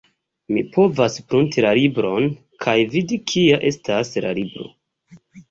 Mi povas prunti la libron kaj vidi kia estas la libro.